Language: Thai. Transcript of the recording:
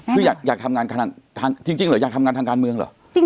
คืออยากทำงานทางการเมืองเหรอ